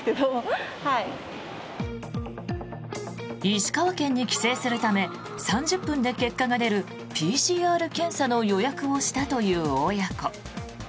石川県に帰省するため３０分で結果が出るＰＣＲ検査の予約をしたという親子。